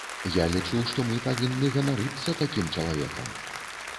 Я лічу, што мы павінны ганарыцца такім чалавекам.